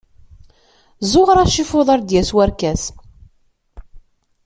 Zzuɣer acifuḍ ar d-yas warkas.